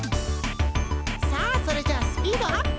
さあそれじゃあスピードアップ！